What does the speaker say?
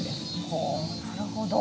ほうなるほど。